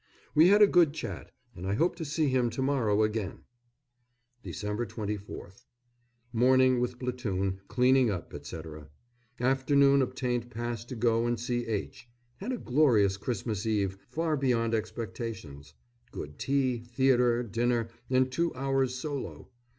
We had a good chat, and I hope to see him to morrow again. Dec. 24th. Morning with platoon, cleaning up, etc. Afternoon obtained pass to go and see H. Had a glorious Christmas Eve, far beyond expectations. Good tea, theatre, dinner, and two hours' solo.